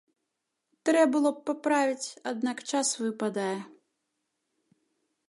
Трэ было б паправіць, аднак час выпадае.